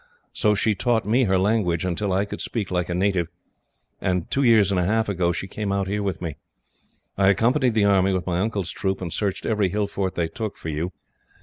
So she taught me her language, until I could speak like a native; and two years and a half ago, she came out here with me. "I accompanied the army, with my uncle's troop, and searched every hill fort they took, for you.